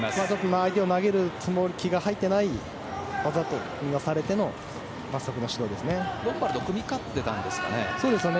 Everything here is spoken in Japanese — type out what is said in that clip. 相手を投げる気が入っていない技とみなされての罰則の指導ですね。